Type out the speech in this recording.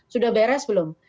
sudah beres belum